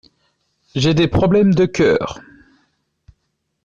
J’ai des problèmes de cœur.